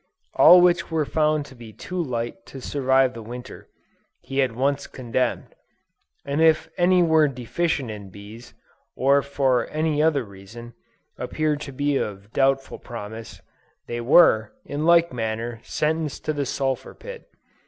All which were found to be too light to survive the Winter, he at once condemned; and if any were deficient in bees, or for any other reason, appeared to be of doubtful promise, they were, in like manner, sentenced to the sulphur pit.